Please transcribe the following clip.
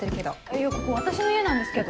いやここ私の家なんですけど。